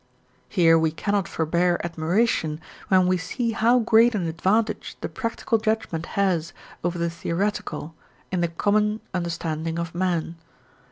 Here we cannot forbear admiration when we see how great an advantage the practical judgement has over the theoretical in the common understanding of men.